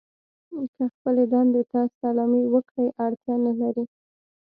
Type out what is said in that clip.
که خپلې دندې ته سلامي وکړئ اړتیا نه لرئ.